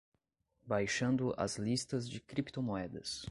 Baixando as listas de criptomoedas